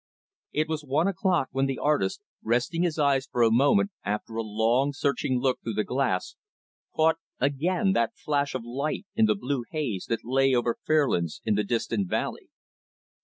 It was one o'clock when the artist resting his eyes for a moment, after a long, searching look through the glass caught, again, that flash of light in the blue haze that lay over Fairlands in the distant valley.